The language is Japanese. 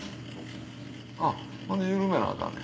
あっほんで緩めなアカンねや。